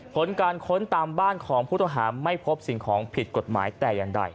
ผลการค้นตามบ้านของผู้ต้องหาไม่พบสิ่งของผิดกฎหมายแต่อย่างใด